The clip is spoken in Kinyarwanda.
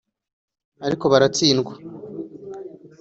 ariko baratsindwa